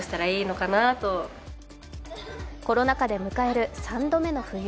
コロナ禍で迎える３度目の冬。